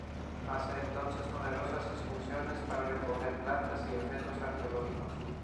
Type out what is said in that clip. Hace entonces numerosas excursiones para recoger plantas y objetos arqueológicos.